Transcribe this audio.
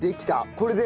これで？